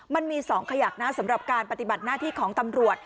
มันมี๒ขยักนะสำหรับการปฏิบัติหน้าที่ของตำรวจ